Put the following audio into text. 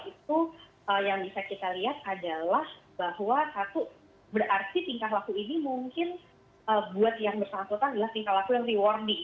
itu yang bisa kita lihat adalah bahwa satu berarti tingkah laku ini mungkin buat yang bersangkutan adalah tingkah laku yang rewarding